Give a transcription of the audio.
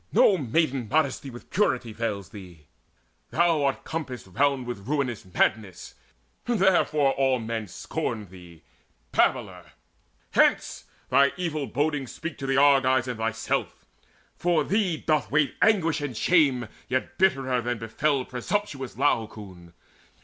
No maiden modesty With purity veils thee: thou art compassed round With ruinous madness; therefore all men scorn Thee, babbler! Hence, thine evil bodings speak To the Argives and thyself! For thee doth wait Anguish and shame yet bitterer than befell Presumptuous Laocoon.